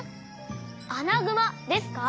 アナグマですか？